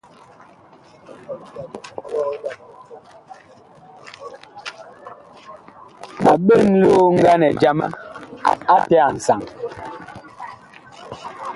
A ɓen lioŋganɛ jama ate a nsaŋ.